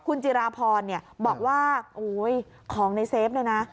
คุณจิราพรเนี่ยบอกว่าโอ้ยของในเซฟเนี่ยนะ